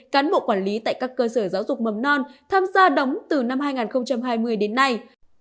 cán bộ quản lý tại các cơ sở giáo dục mầm non tham gia đóng từ năm hai nghìn hai mươi đến nay